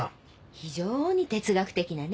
非常に哲学的なね。